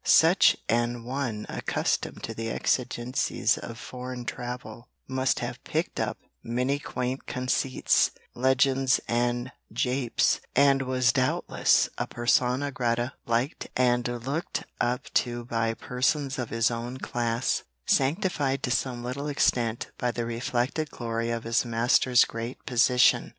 Such an one accustomed to the exigencies of foreign travel, must have picked up many quaint conceits, legends and japes, and was doubtless a persona grata liked and looked up to by persons of his own class, sanctified to some little extent by the reflected glory of his master's great position.